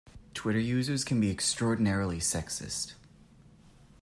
Twitter users can be extraordinarily sexist